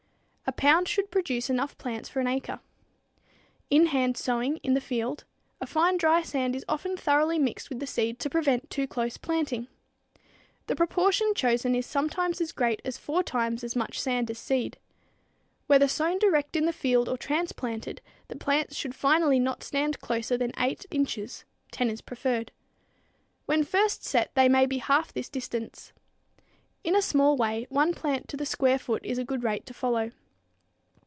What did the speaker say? A pound should produce enough plants for an acre. In hand sowing direct in the field, a fine dry sand is often thoroughly mixed with the seed to prevent too close planting. The proportion chosen is sometimes as great as four times as much sand as seed. Whether sown direct in the field or transplanted the plants should finally not stand closer than 8 inches 10 is preferred. When first set they may be half this distance. In a small way one plant to the square foot is a good rate to follow.